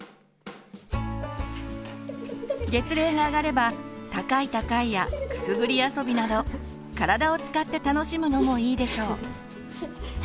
月齢が上がれば高い高いやくすぐり遊びなど体を使って楽しむのもいいでしょう。